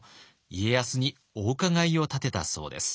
家康にお伺いを立てたそうです。